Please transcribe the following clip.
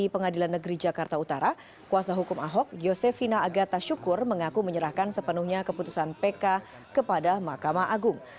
pengadilan negeri jakarta utara kuasa hukum ahok yosefina agata syukur mengaku menyerahkan sepenuhnya keputusan pk kepada mahkamah agung